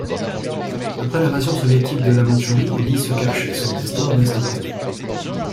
Après l'invasion soviétique de la Mandchourie, Li se cache et son destin reste inconnu.